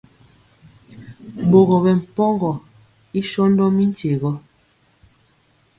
Ɓogɔ ɓɛpɔgɔ i sɔndɔ mi nkye rɔ.